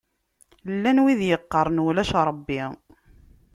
Llan wid yeqqaṛen ulac Ṛebbi.